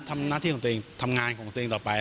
ทำหน้าที่ของตัวเองทำงานของตัวเองต่อไป